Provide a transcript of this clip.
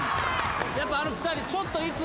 やっぱあの２人。